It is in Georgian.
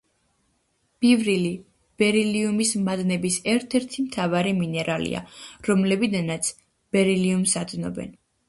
ბივრილი ბერილიუმის მადნების ერთ-ერთი მთავარი მინერალია, რომლებიდანაც ბერილიუმს ადნობენ.